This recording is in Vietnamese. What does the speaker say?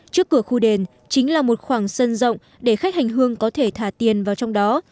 trước cửa khu đền chính là một khoảng sân rộng để khách hành hương có thể thả tiền vào trong đó